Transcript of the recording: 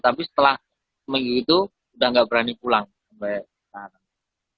tapi setelah seminggu itu udah nggak berani pulang sampai sekarang